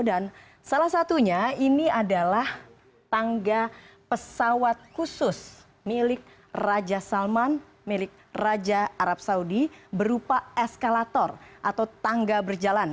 dan salah satunya ini adalah tangga pesawat khusus milik raja salman milik raja arab saudi berupa eskalator atau tangga berjalan